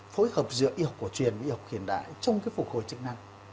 phối hợp giữa y học cổ truyền y học hiện đại trong cái phục hồi chức năng